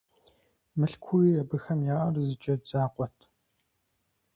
Мылъкууи абыхэм яӀэр зы джэд закъуэт.